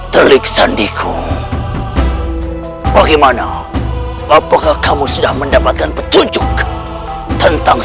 terlik sandi ku bagaimana apakah kamu sudah mendapatkan petunjuk tentang